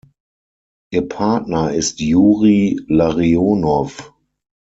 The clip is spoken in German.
Ihr Partner ist Juri Larionow.